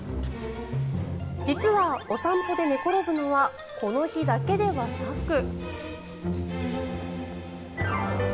実はお散歩で寝転ぶのはこの日だけではなく。